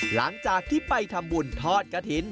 หลังจากที่ไปทำบุญทอดกระถิ่น